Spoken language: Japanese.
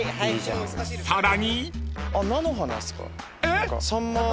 ［さらに］